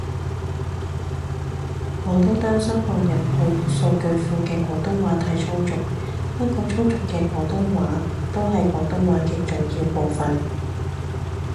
我都擔心放入去數據庫嘅廣東話太粗俗，不過粗俗嘅廣東話都係廣東話嘅重要部份